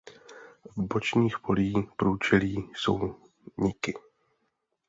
V bočních polí průčelí jsou niky.